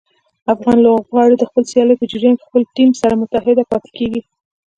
افغان لوبغاړي د خپلو سیالیو په جریان کې خپل ټیم سره متحد پاتې کېږي.